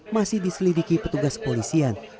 masih diselidiki petugas polisian